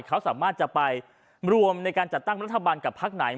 เขาสามารถจะไปรวมในการจัดตั้งรัฐบาลกับพักไหน